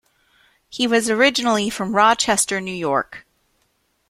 He was originally from Rochester, New York.